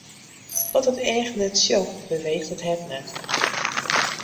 Wat it each net sjocht, beweecht it hert net.